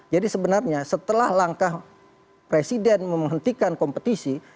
jadi sebenarnya setelah langkah presiden menghentikan kompetisi